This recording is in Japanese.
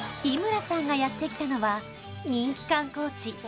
日村さんがやってきたのは人気観光地